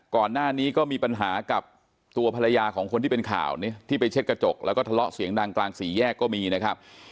ก่อนหน้านี้ก็มีปัญหากับตัวภรรยาของคนที่เป็นข่าวที่ไปเช็ดกระจกแล้วก็ทะเลาะเสียงดังกลางสี่แยกก็มีนะครับ